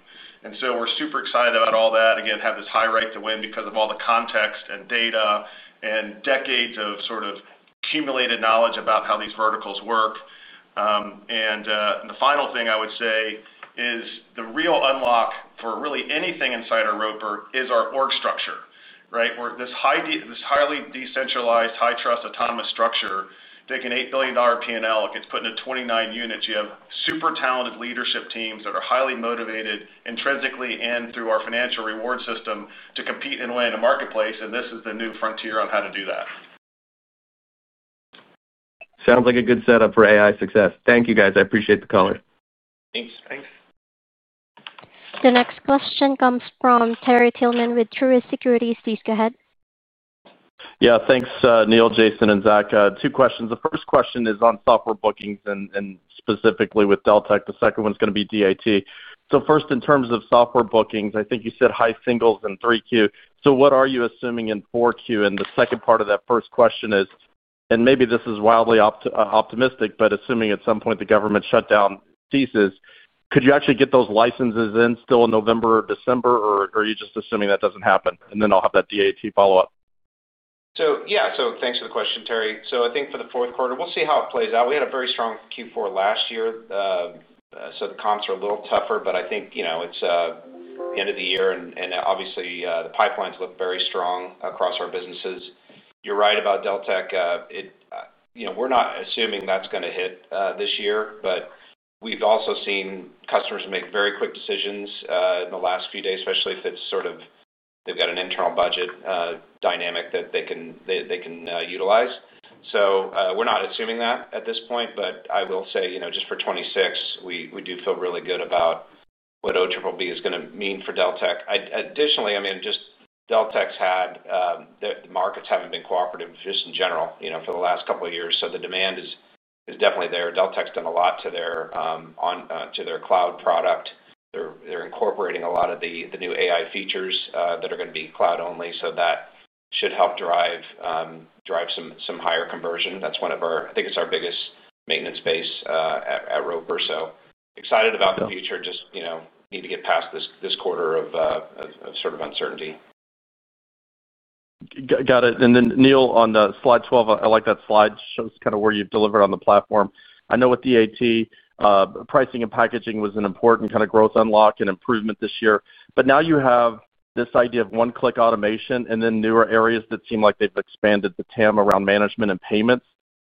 We're super excited about all that. Again, have this high right to win because of all the context and data and decades of accumulated knowledge about how these verticals work. The final thing I would say is the real unlock for really anything inside Roper is our org structure, right? We're this highly decentralized, high-trust, autonomous structure. Taking an $8 billion P&L, it gets put into 29 units. You have super talented leadership teams that are highly motivated intrinsically and through our financial reward system to compete and win in a marketplace. This is the new frontier on how to do that. Sounds like a good setup for AI success. Thank you, guys. I appreciate the caller. Thanks. Thanks. The next question comes from Terry Tillman with Truist Securities. Please go ahead. Yeah, thanks, Neil, Jason, and Zach. Two questions. The first question is on software bookings and specifically with Deltek. The second one is going to be DAT. First, in terms of software bookings, I think you said high singles in 3Q. What are you assuming in 4Q? The second part of that first question is, and maybe this is wildly optimistic, but assuming at some point the government shutdown ceases, could you actually get those licenses in still in November or December, or are you just assuming that doesn't happen? I have that DAT follow-up. Thanks for the question, Terry. I think for the fourth quarter, we'll see how it plays out. We had a very strong Q4 last year, so the comps are a little tougher, but I think it's the end of the year, and obviously, the pipelines look very strong across our businesses. You're right about Deltek. We're not assuming that's going to hit this year, but we've also seen customers make very quick decisions in the last few days, especially if they've got an internal budget dynamic that they can utilize. We're not assuming that at this point, but I will say, just for 2026, we do feel really good about what OB3 is going to mean for Deltek. Additionally, just Deltek's had the markets haven't been cooperative just in general for the last couple of years. The demand is definitely there. Deltek's done a lot to their cloud product. They're incorporating a lot of the new AI features that are going to be cloud-only. That should help drive some higher conversion. That's one of our, I think it's our biggest maintenance base at Roper. Excited about the future. Just need to get past this quarter of uncertainty. Got it. And then, Neil, on the slide 12, I like that slide. It shows kind of where you've delivered on the platform. I know with DAT, pricing and packaging was an important kind of growth unlock and improvement this year. Now you have this idea of one-click automation and then newer areas that seem like they've expanded the TAM around management and payments.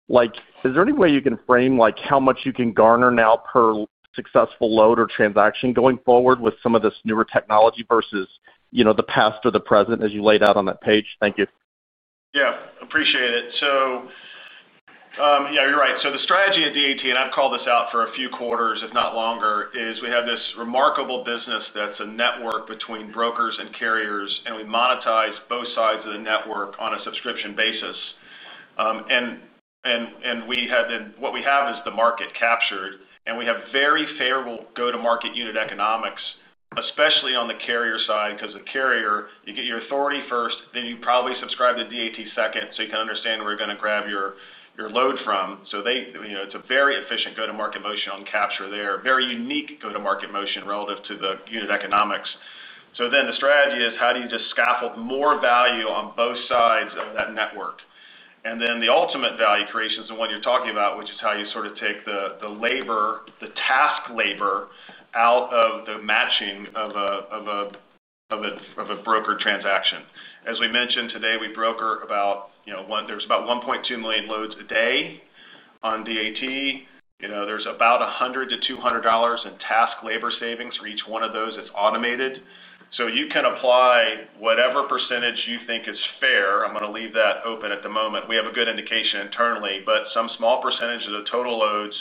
Is there any way you can frame how much you can garner now per successful load or transaction going forward with some of this newer technology versus the past or the present as you laid out on that page? Thank you. Yeah. Appreciate it. You're right. The strategy at DAT, and I've called this out for a few quarters, if not longer, is we have this remarkable business that's a network between brokers and carriers, and we monetize both sides of the network on a subscription basis. We had then, what we have is the market captured, and we have very favorable go-to-market unit economics, especially on the carrier side because the carrier, you get your authority first, then you probably subscribe to DAT second, so you can understand where you're going to grab your load from. It's a very efficient go-to-market motion on capture there, very unique go-to-market motion relative to the unit economics. The strategy is how do you just scaffold more value on both sides of that network? The ultimate value creation is the one you're talking about, which is how you sort of take the labor, the task labor out of the matching of a broker transaction. As we mentioned today, we broker about, you know, one, there's about 1.2 million loads a day on DAT. There's about $100 to $200 in task labor savings for each one of those. It's automated. You can apply whatever percentage you think is fair. I'm going to leave that open at the moment. We have a good indication internally, but some small percentage of the total loads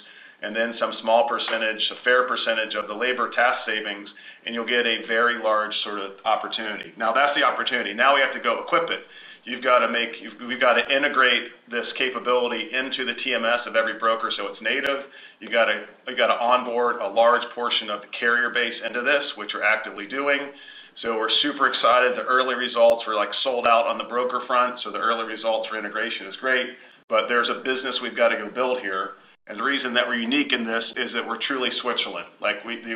and then some small percentage, a fair percentage of the labor task savings, and you'll get a very large sort of opportunity. Now that's the opportunity. Now we have to go equip it. You've got to make, we've got to integrate this capability into the TMS of every broker so it's native. You've got to onboard a large portion of the carrier base into this, which we're actively doing. We're super excited. The early results were like sold out on the broker front. The early results for integration is great, but there's a business we've got to go build here. The reason that we're unique in this is that we're truly Switzerland.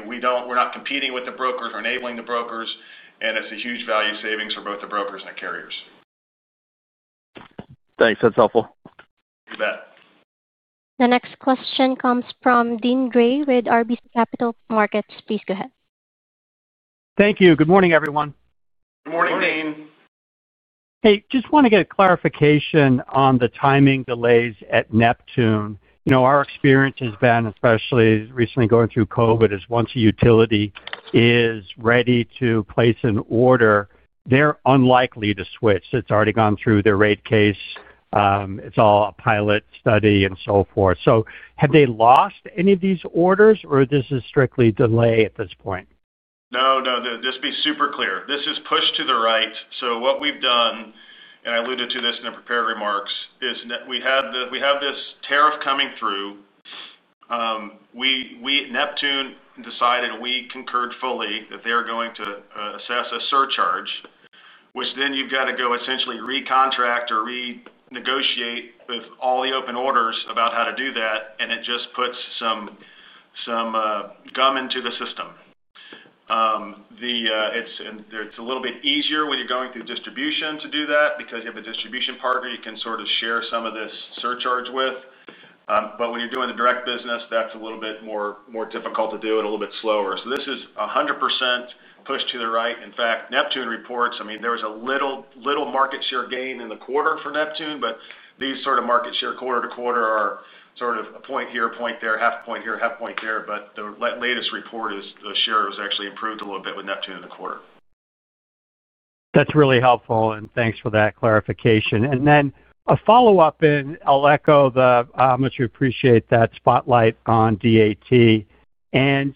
We don't, we're not competing with the brokers. We're enabling the brokers, and it's a huge value savings for both the brokers and the carriers. Thanks. That's helpful. You bet. The next question comes from Deane Dray with RBC Capital Markets. Please go ahead. Thank you. Good morning, everyone. Good morning, Deane. Hey, just want to get a clarification on the timing delays at Neptune. You know, our experience has been, especially recently going through COVID, is once a utility is ready to place an order, they're unlikely to switch. It's already gone through their rate case. It's all a pilot study and so forth. Have they lost any of these orders, or is this strictly delay at this point? No, no. Just to be super clear, this is pushed to the right. What we've done, and I alluded to this in the prepared remarks, is that we have this tariff coming through. Neptune decided, and we concurred fully, that they are going to assess a surcharge, which means you've got to essentially recontract or renegotiate with all the open orders about how to do that, and it just puts some gum into the system. It's a little bit easier when you're going through distribution to do that because you have a distribution partner you can sort of share some of this surcharge with, but when you're doing the direct business, that's a little bit more difficult to do and a little bit slower. This is 100% pushed to the right. In fact, Neptune reports there was a little market share gain in the quarter for Neptune, but these sort of market share quarter to quarter are sort of a point here, point there, half a point here, half a point there. The latest report is the share was actually improved a little bit with Neptune in the quarter. That's really helpful, and thanks for that clarification. A follow-up, I'll echo how much we appreciate that spotlight on DAT.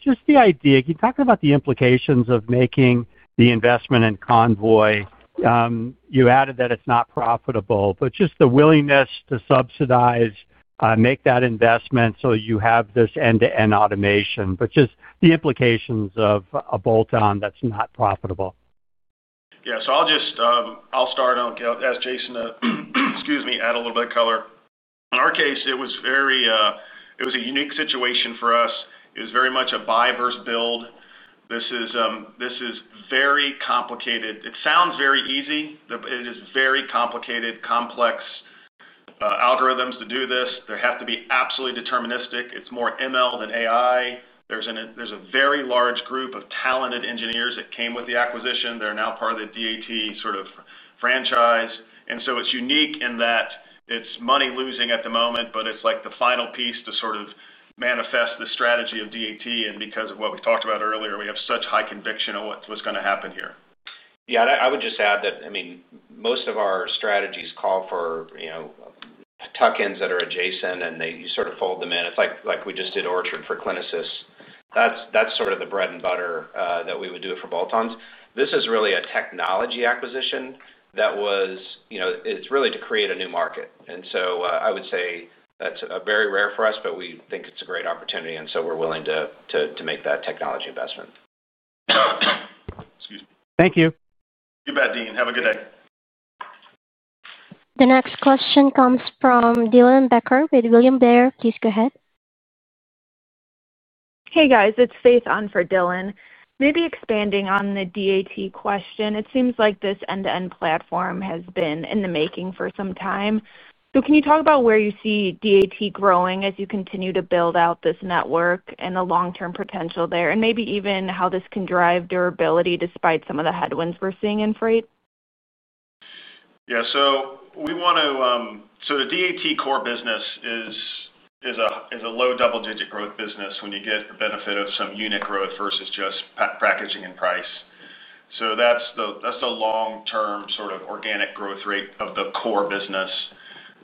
Just the idea, you talked about the implications of making the investment in Convoy. You added that it's not profitable, but just the willingness to subsidize, make that investment so you have this end-to-end automation, just the implications of a bolt-on that's not profitable. I'll start. I'll ask Jason to add a little bit of color. In our case, it was a unique situation for us. It was very much a buy-versus-build. This is very complicated. It sounds very easy, but it is very complicated, complex algorithms to do this. They have to be absolutely deterministic. It's more ML than AI. There's a very large group of talented engineers that came with the acquisition. They're now part of the DAT sort of franchise. It's unique in that it's money-losing at the moment, but it's like the final piece to manifest the strategy of DAT. Because of what we talked about earlier, we have such high conviction on what's going to happen here. Yeah, and I would just add that most of our strategies call for, you know, tuck-ins that are adjacent, and you sort of fold them in. It's like we just did Orchard for Clinisys. That's sort of the bread and butter that we would do for bolt-ons. This is really a technology acquisition that was, you know, it's really to create a new market. I would say that's very rare for us, but we think it's a great opportunity. We're willing to make that technology investment. Excuse me. Thank you. You bet, Deane. Have a good day. The next question comes from Dylan Becker with William Blair. Please go ahead. Hey guys, it's Faith on for Dylan. Maybe expanding on the DAT question, it seems like this end-to-end platform has been in the making for some time. Can you talk about where you see DAT growing as you continue to build out this network and the long-term potential there, and maybe even how this can drive durability despite some of the headwinds we're seeing in freight? Yeah, the DAT core business is a low double-digit growth business when you get the benefit of some unit growth versus just packaging and price. That's the long-term sort of organic growth rate of the core business.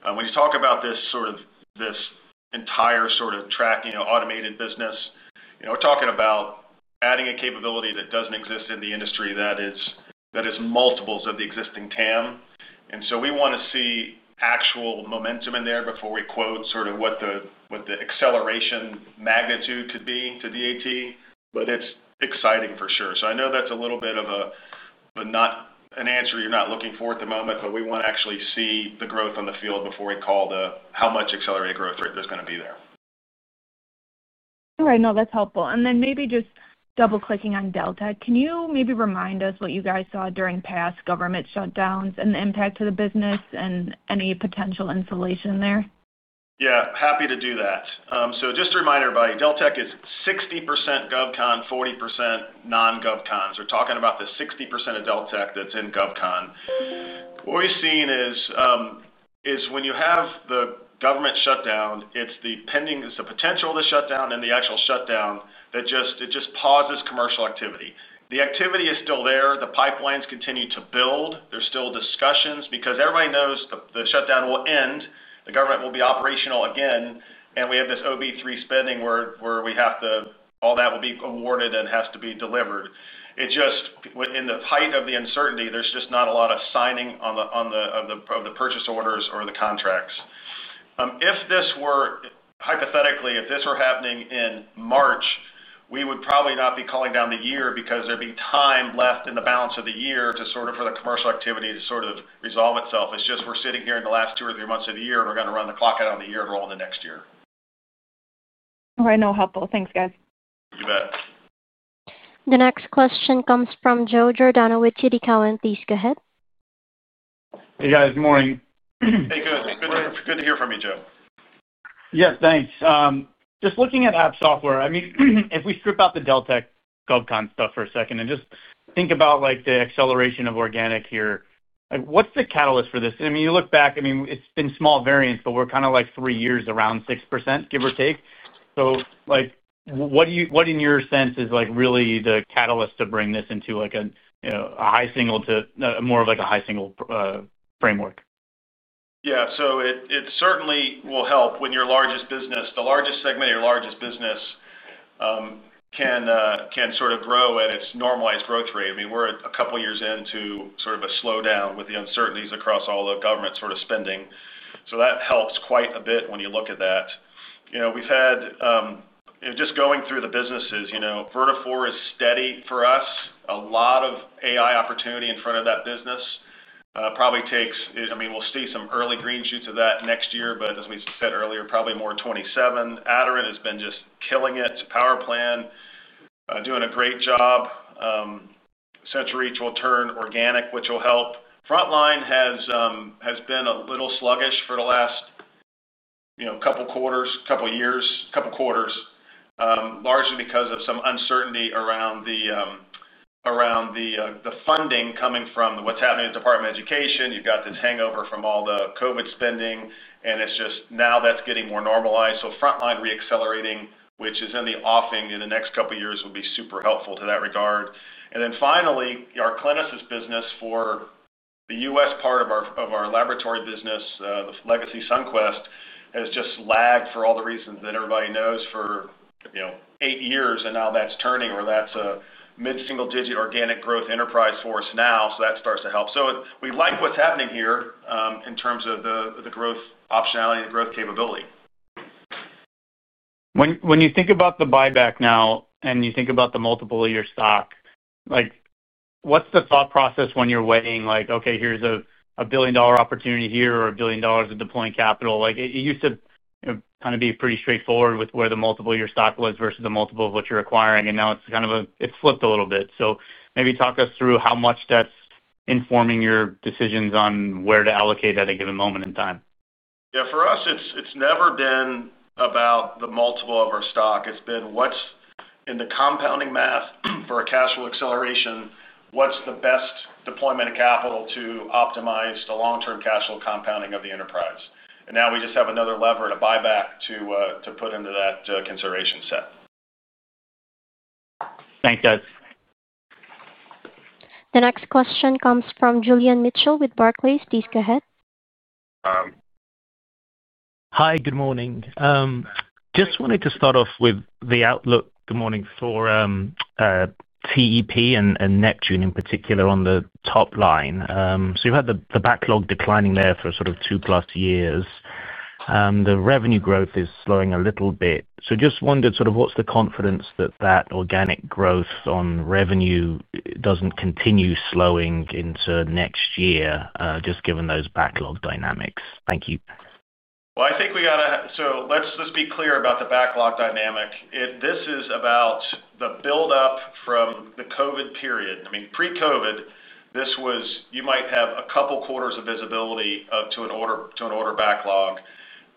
When you talk about this entire sort of tracking, automated business, we're talking about adding a capability that doesn't exist in the industry that is multiples of the existing TAM. We want to see actual momentum in there before we quote what the acceleration magnitude could be to DAT. It's exciting for sure. I know that's a little bit of a, not an answer you're looking for at the moment, but we want to actually see the growth on the field before we call how much accelerated growth rate there's going to be there. All right, no, that's helpful. Maybe just double-clicking on Deltek, can you maybe remind us what you guys saw during past government shutdowns and the impact to the business and any potential insulation there? Yeah, happy to do that. Just a reminder everybody, Deltek is 60% GovCon, 40% non-GovCon. We're talking about the 60% of Deltek that's in GovCon. What we've seen is when you have the government shutdown, it's the pending, it's the potential of the shutdown and the actual shutdown that just pauses commercial activity. The activity is still there. The pipelines continue to build. There's still discussions because everybody knows the shutdown will end, the government will be operational again, and we have this OB3 spending where we have to, all that will be awarded and has to be delivered. It's just in the height of the uncertainty, there's not a lot of signing on the purchase orders or the contracts. If this were, hypothetically, if this were happening in March, we would probably not be calling down the year because there'd be time left in the balance of the year for the commercial activity to sort of resolve itself. It's just we're sitting here in the last two or three months of the year, and we're going to run the clock out on the year and roll in the next year. All right, no, helpful. Thanks, guys. You bet. The next question comes from Joe Giordano with TD Cowen. Please go ahead. Hey guys, good morning. Hey, good. It's good to hear from you, Joe. Yes, thanks. Just looking at app software, if we strip out the Deltek GovCon stuff for a second and just think about the acceleration of organic here, what's the catalyst for this? You look back, it's been small variance, but we're kind of like three years around 6%, give or take. What in your sense is really the catalyst to bring this into a high single to more of a high single framework? Yeah, it certainly will help when your largest business, the largest segment of your largest business, can sort of grow at its normalized growth rate. We're a couple of years into sort of a slowdown with the uncertainties across all the government spending. That helps quite a bit when you look at that. We've had, just going through the businesses, Vertafore is steady for us. A lot of AI opportunity in front of that business, probably takes, I mean, we'll see some early green shoots of that next year, but as we said earlier, probably more of 2027. Aderant has been just killing it. PowerPlan, doing a great job. CentralReach will turn organic, which will help. Frontline has been a little sluggish for the last couple of quarters, largely because of some uncertainty around the funding coming from what's happening at the Department of Education. You've got this hangover from all the COVID spending, and now that's getting more normalized. Frontline reaccelerating, which is in the offing in the next couple of years, will be super helpful to that regard. Finally, our Clinisys business for the U.S. part of our laboratory business, the legacy Sunquest, has just lagged for all the reasons that everybody knows for eight years, and now that's turning where that's a mid-single-digit organic growth enterprise for us now. That starts to help. We like what's happening here, in terms of the growth optionality and the growth capability. When you think about the buyback now and you think about the multiple of your stock, what's the thought process when you're weighing like, okay, here's a $1 billion opportunity here or $1 billion of deploying capital? It used to kind of be pretty straightforward with where the multiple of your stock was versus the multiple of what you're acquiring, and now it's kind of flipped a little bit. Maybe talk us through how much that's informing your decisions on where to allocate at a given moment in time. For us, it's never been about the multiple of our stock. It's been what's in the compounding math for a cash flow acceleration, what's the best deployment of capital to optimize the long-term cash flow compounding of the enterprise. We just have another lever and a buyback to put into that consideration set. Thanks, guys. The next question comes from Julian Mitchell with Barclays. Please go ahead. Hi, good morning. I just wanted to start off with the outlook for TEP and Neptune in particular on the top line. You've had the backlog declining there for sort of two plus years. The revenue growth is slowing a little bit. I just wondered what's the confidence that that organic growth on revenue doesn't continue slowing into next year, just given those backlog dynamics. Thank you. I think we got to, so let's just be clear about the backlog dynamic. This is about the buildup from the COVID period. Pre-COVID, you might have a couple quarters of visibility to an order backlog.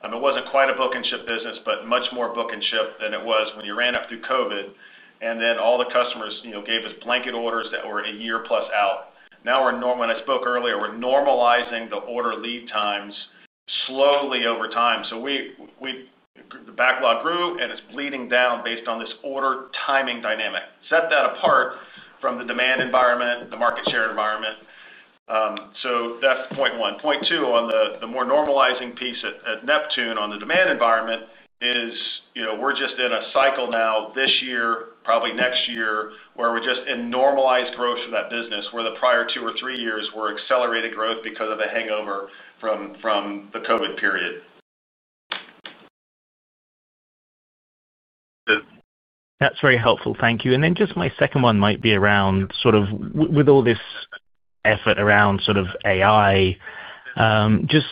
It wasn't quite a book and ship business, but much more book and ship than it was when you ran up through COVID. All the customers gave us blanket orders that were a year plus out. Now, when I spoke earlier, we're normalizing the order lead times slowly over time. The backlog grew and it's bleeding down based on this order timing dynamic. Set that apart from the demand environment, the market share environment. That's point one. Point two on the more normalizing piece at Neptune on the demand environment is, we're just in a cycle now this year, probably next year, where we're just in normalized growth for that business where the prior two or three years were accelerated growth because of the hangover from the COVID period. That's very helpful. Thank you. My second one might be around sort of with all this effort around sort of AI, just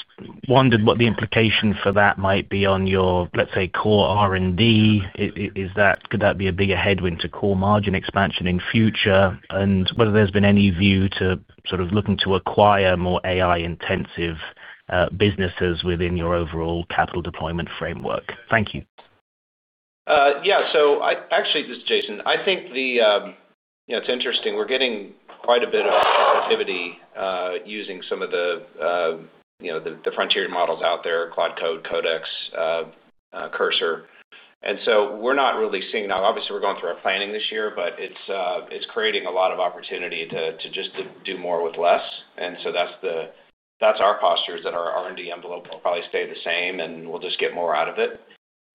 wondered what the implication for that might be on your, let's say, core R&D. Is that, could that be a bigger headwind to core margin expansion in future? Whether there's been any view to sort of looking to acquire more AI-intensive businesses within your overall capital deployment framework. Thank you. Yeah, so I actually, this is Jason. I think it's interesting. We're getting quite a bit of productivity using some of the frontier models out there, Cloud Code, Codex, Cursor. We're not really seeing, now obviously, we're going through our planning this year, but it's creating a lot of opportunity to just do more with less. That's our posture, that our R&D envelope will probably stay the same and we'll just get more out of it.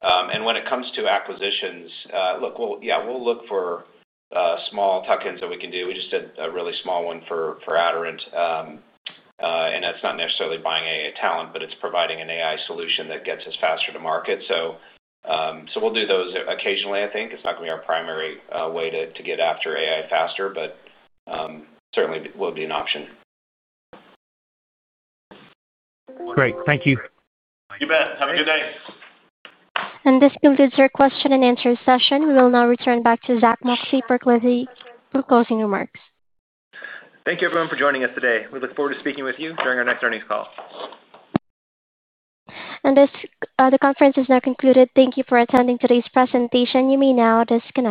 When it comes to acquisitions, look, we'll look for small tuck-ins that we can do. We just did a really small one for Aderant. That's not necessarily buying AI talent, but it's providing an AI solution that gets us faster to market. We'll do those occasionally, I think. It's not going to be our primary way to get after AI faster, but certainly will be an option. Great. Thank you. You bet. Have a good day. This concludes our question and answer session. We will now return back to Zach Moxcey for closing remarks. Thank you, everyone, for joining us today. We look forward to speaking with you during our next earnings call. The conference is now concluded. Thank you for attending today's presentation. You may now disconnect.